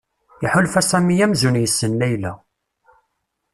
Iḥulfa Sami amzun yessen Layla.